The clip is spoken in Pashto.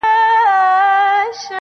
زما د سرڅښتنه اوس خپه سم که خوشحاله سم~